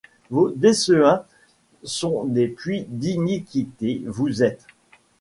Vos desseins sont des puits d’iniquité ; vous êtes